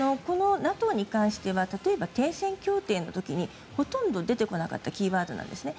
ＮＡＴＯに関しては例えば停戦協定の時にほとんど出てこなかったキーワードなんですね。